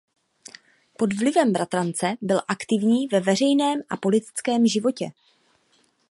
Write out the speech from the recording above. Pod vlivem bratrance byl aktivní ve veřejném a politickém životě.